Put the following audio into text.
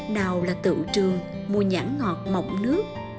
nào là tự trường mùa nhãn ngọt mọng nước